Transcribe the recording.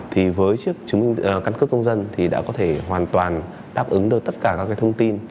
thì với chiếc chứng minh căn cước công dân thì đã có thể hoàn toàn đáp ứng được tất cả các thông tin